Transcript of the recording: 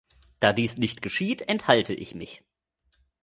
Da dies nicht geschieht, enthalte ich mich.